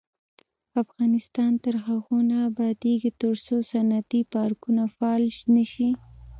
افغانستان تر هغو نه ابادیږي، ترڅو صنعتي پارکونه فعال نشي.